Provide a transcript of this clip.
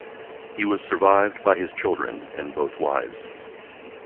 He was survived by his children and both wives.